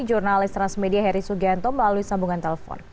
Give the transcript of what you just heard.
jurnalis transmedia heri sugianto melalui sambungan telepon